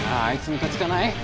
あいつムカつかない？